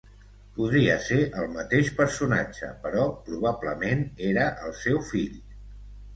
Podria ser el mateix personatge però probablement era el seu fill.